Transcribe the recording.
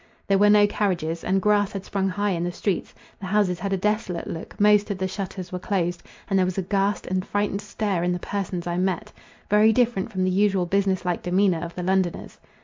There were no carriages, and grass had sprung high in the streets; the houses had a desolate look; most of the shutters were closed; and there was a ghast and frightened stare in the persons I met, very different from the usual business like demeanour of the Londoners.